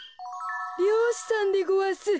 りようしさんでごわす。